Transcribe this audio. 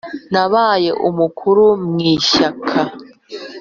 nabaye umukuru mu ishyaka